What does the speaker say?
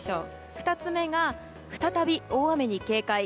２つ目が再び大雨に警戒。